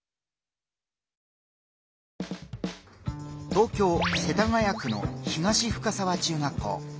東京・世田谷区の東深沢中学校。